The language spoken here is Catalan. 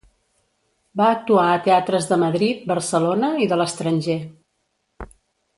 Va actuar a teatres de Madrid, Barcelona i de l'estranger.